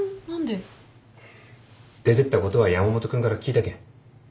出てったことは山本君から聞いたけん。